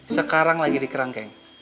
sekarang lagi di kerangkeng